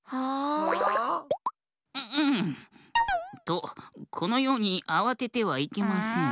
とこのようにあわててはいけません。